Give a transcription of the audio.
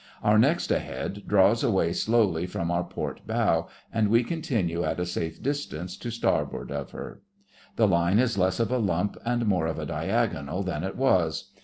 Our next ahead draws away slowly from our port bow, and we continue at a safe distance to starboard of her. The line is less of a lump and more of a diagonal than it was.